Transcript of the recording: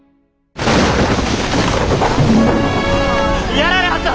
やられはった！